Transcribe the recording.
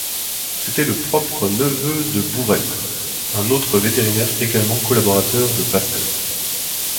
C’était le propre neveu de Bourrel, un autre vétérinaire également collaborateur de Pasteur.